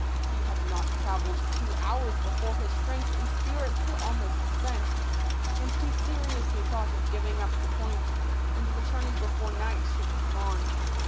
He had not travelled two hours before his strength and spirits were almost spent ; and he seriously thought of giving up the point, and returning before night should come on.